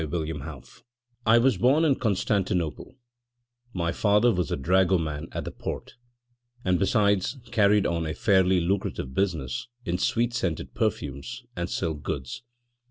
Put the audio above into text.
1869 I was born in Constantinople; my father was a dragoman at the Porte, and besides, carried on a fairly lucrative business in sweet scented perfumes and silk goods.